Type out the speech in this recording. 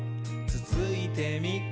つついてみ？」